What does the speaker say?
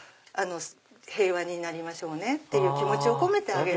平和になりましょうね」っていう気持ちを込めてあげる。